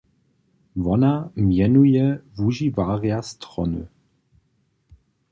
Wona mjenuje wužiwarja strony.